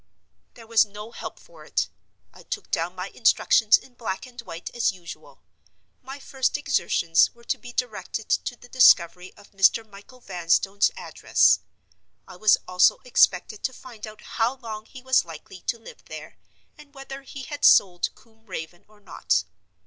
There was no help for it. I took down my instructions in black and white, as usual. My first exertions were to be directed to the discovery of Mr. Michael Vanstone's address: I was also expected to find out how long he was likely to live there, and whether he had sold Combe Raven or not.